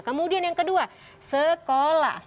kemudian yang kedua sekolah